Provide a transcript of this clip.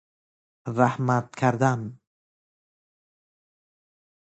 رحمت کردن